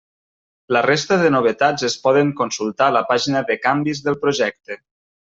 La resta de novetats es poden consultar a la pàgina de canvis del projecte.